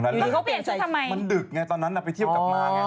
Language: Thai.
แล้วเขาเปลี่ยนชุดทำไมมันดึกไงตอนนั้นน่ะไปเที่ยวกลับมาไง